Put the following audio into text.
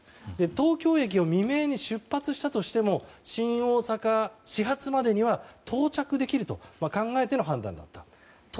東京駅を未明に出発したとしても新大阪始発までには到着できると考えての判断だったと。